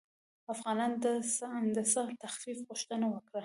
افغانانو د څه تخفیف غوښتنه وکړه.